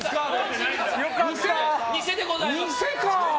偽でございます。